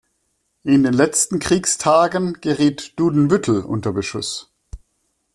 In den letzten Kriegstagen geriet Düdenbüttel unter Beschuss.